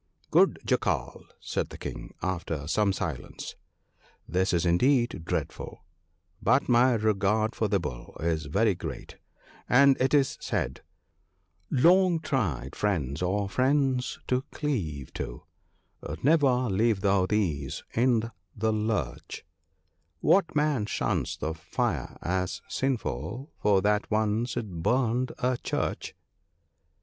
' Good Jackal,' said the King, after some silence ;' this is indeed dreadful; but my regard for the Bull is very great, and it is said, —" Long tried friends are friends to cleave to — never leave thou these i' the lurch : What man shuns the fire as sinful for that once it burned a church